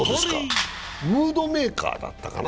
ムードメーカーだったかな？